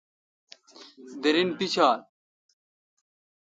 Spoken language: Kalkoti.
درین پیڄھال۔